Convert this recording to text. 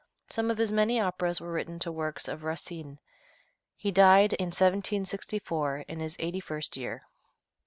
Some of his many operas were written to works of Racine. He died in 1764, in his eighty first year.